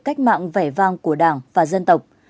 cách mạng vẻ vang của đảng và dân tộc